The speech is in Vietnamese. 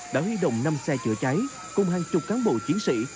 đã huy động năm xe chữa cháy cùng hàng chục cán bộ chiến sĩ